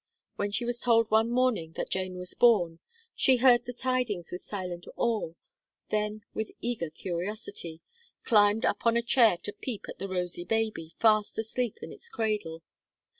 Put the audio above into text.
When she was told one morning that Jane was born, she heard the tidings with silent awe, then with eager curiosity, climbed up on a chair to peep at the rosy baby fast asleep in its cradle.